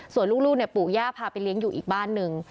ส่วนลูกปู่ย่าพาไปเลี้ยงอยู่อีกบ้านหนึ่ง